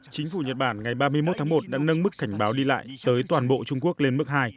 chính phủ nhật bản ngày ba mươi một tháng một đã nâng mức cảnh báo đi lại tới toàn bộ trung quốc lên mức hai